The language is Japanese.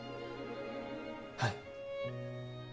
はい。